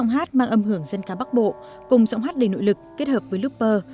hát mang âm hưởng dân ca bắc bộ cùng giọng hát đầy nỗ lực kết hợp với looper